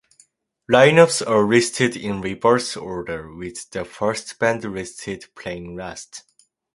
Lineups are listed in reverse order, with the first band listed playing last.